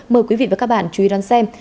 mời quý vị và các bạn chú ý đón xem